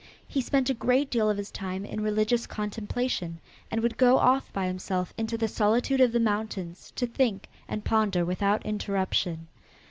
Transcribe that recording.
He spent a great deal of his time in religious contemplation and would go off by himself into the solitude of the mountains, to think and ponder without interruption.